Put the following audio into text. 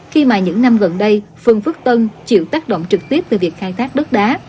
khi mà những năm gần đây phường phước tân chịu tác động trực tiếp từ việc khai thác đất đá